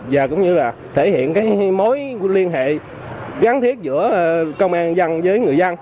và cũng như là thể hiện cái mối liên hệ gắn thiết giữa công an dân với người dân